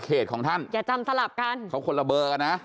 ก็ลองถามเจ้าหน้าที่ไปดูก่อนนะทำอะไรยังไงได้บ้าง